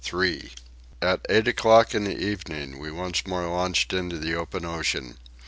At eight o'clock in the evening we once more launched into the open ocean.